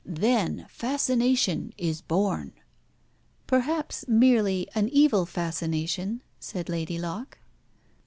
Then fascination is born." "Perhaps merely an evil fascination," said Lady Locke.